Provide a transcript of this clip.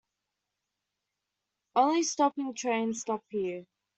Only stopping trains stop here.